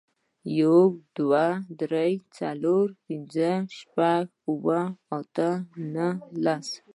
یو, دوه, درې, څلور, پنځه, شپږ, اووه, اته, نهه, لس